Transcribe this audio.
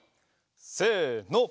せの！